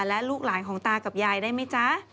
และลูกหลานของตากับยายได้ไหมจ๊ะ